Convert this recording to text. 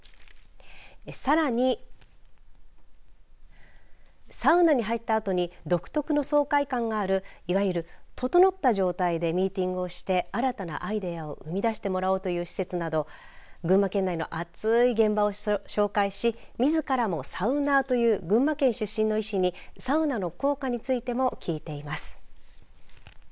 さらに、サウナに入ったあとに独特の爽快感があるいわゆるととのった状態でミーティングをして新たなアイデアを生み出してもらおうという施設等群馬県内の熱い現場を紹介しみずからもサウナーという群馬県出身の医師にサウナの効果についても聞いています。